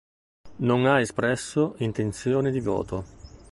Non ha espresso intenzioni di voto.